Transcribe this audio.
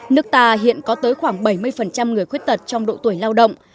nước ta hiện có tới khoảng bảy mươi người khuyết tật trong độ tuổi lao động